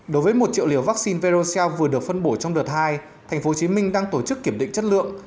đối với một triệu liều vaccine verocell vừa được phân bổ trong đợt hai tp hồ chí minh đang tổ chức kiểm định chất lượng